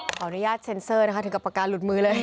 ขออนุญาตเซ็นเซอร์นะคะถึงกับปากกาหลุดมือเลย